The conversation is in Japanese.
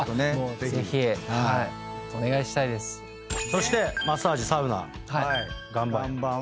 そしてマッサージサウナ岩盤浴。